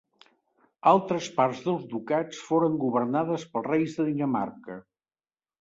Altres parts dels ducats foren governades pels reis de Dinamarca.